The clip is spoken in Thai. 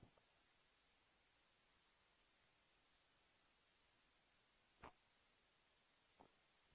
โปรดติดตามตอนต่อไป